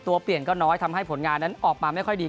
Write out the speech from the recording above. เปลี่ยนก็น้อยทำให้ผลงานนั้นออกมาไม่ค่อยดี